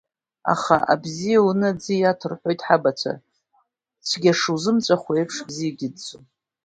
Аха, абзиа уны аӡы иаҭ, — рҳәоит ҳабацәа, цәгьа шузымҵәахуа еиԥш, бзиагьы ыӡӡом.